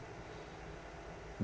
bahkan oleh pendidikan